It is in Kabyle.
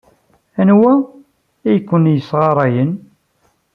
Anwa ay ken-yessɣarayen?